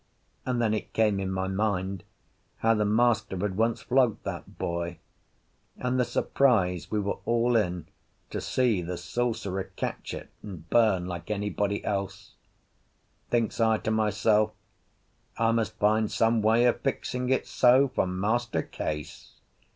And then it came in my mind how the master had once flogged that boy, and the surprise we were all in to see the sorcerer catch it and bum like anybody else. Thinks I to myself, "I must find some way of fixing it so for Master Case."